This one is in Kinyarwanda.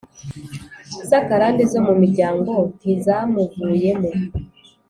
Zakarande zo mumiryango ntizamuvuyemo